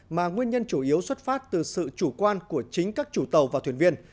mà nguyên nhân chủ yếu xuất phát từ sự chủ quan của chính các chủ tàu và thuyền viên